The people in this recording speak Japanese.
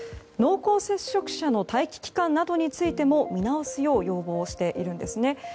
濃厚接触者の待機期間などについても見直すよう要望してるんですね。